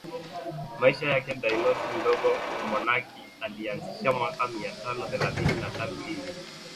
Maisha yake Dionisi Mdogo mmonaki aliyeanzisha mwaka mia tano thelathini na tatu hivi